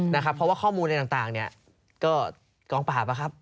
เพราะว่าข้อมูลในต่างนี่ก็กล้องป่าวครับ